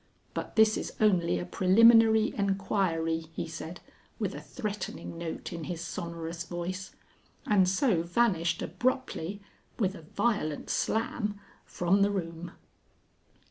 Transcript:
But this is only a preliminary enquiry," he said, with a threatening note in his sonorous voice, and so vanished abruptly (with a violent slam) from the room.